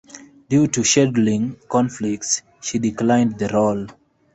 Due to scheduling conflicts, she declined the role.